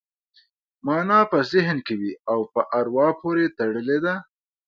مانا په ذهن کې وي او په اروا پورې تړلې ده